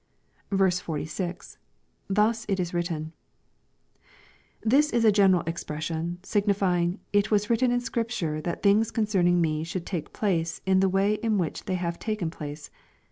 46, — [TTius it 18 written^ This is a general expression, signifying * It was written in Scripture that things concerning me should take place in the way in which they have taken place.''